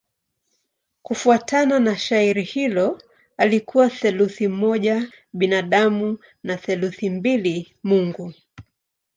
Kufuatana na shairi hilo alikuwa theluthi moja binadamu na theluthi mbili mungu.